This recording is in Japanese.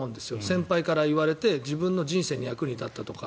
先輩から言われて自分の人生に役に立ったとか。